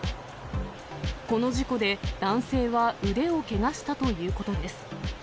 この事故で、男性は腕をけがしたということです。